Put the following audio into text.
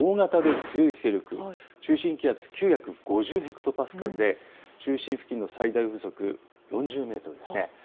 大型で強い勢力、中心気圧９５０ヘクトパスカルで中心付近の最大風速４０メートルです。